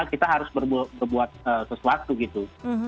kita harus berbuat sesuatu gitu